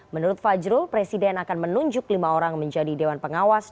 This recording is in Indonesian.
menurut fajrul presiden akan menunjuk lima orang menjadi dewan pengawas